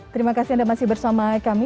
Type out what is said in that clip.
terima kasih anda masih bersama kami